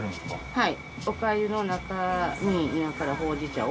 はい。